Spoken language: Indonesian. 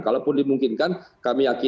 kalaupun dimungkinkan kami yakin